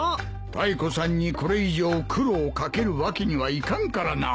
タイコさんにこれ以上苦労を掛けるわけにはいかんからな。